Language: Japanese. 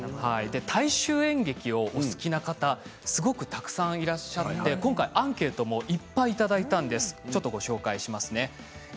大衆演劇をお好きな方すごくたくさんいらっしゃってアンケートもいっぱいいただいたのでご紹介します。